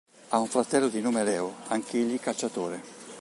Ha un fratello di nome Leo, anch'egli calciatore.